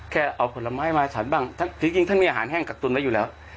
แค่เอาผลไม้มาฉันบ้างจริงท่านมีอาหารแห้งกักตุนไว้อยู่แล้ว